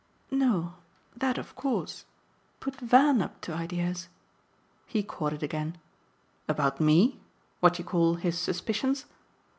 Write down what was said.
"No that of course. Put Van up to ideas !" He caught it again. "About ME what you call his suspicions?"